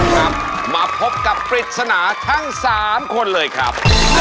ครับมาพบกับปริศนาทั้ง๓คนเลยครับ